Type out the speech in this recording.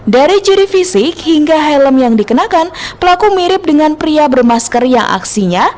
dari ciri fisik hingga helm yang dikenakan pelaku mirip dengan pria bermasker yang aksinya